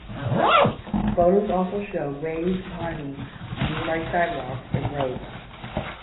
Photos also showed waves ponding on nearby sidewalks and roads.